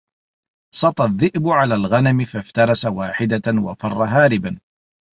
سَطَا الذِّئْبُ عَلَى الْغَنَمِ فَاِفْتَرَسَ وَاحِدَةً وَفَرَّ هَارِبًا.